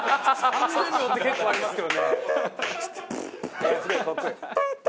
３０秒って結構ありますけどね。